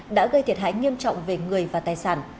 đã gây thiệt hại nghiêm trọng về người và tài sản